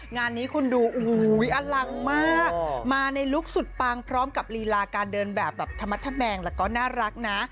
งานนี้คุณดูโอ้โหอลังมากมาในลุคสุดปังพร้อมกับลีลาการเดินแบบแบบธรรมธแมงแล้วก็น่ารักนะ